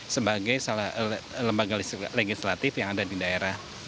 sebagai salah satu lembaga legislatif yang ada di daerah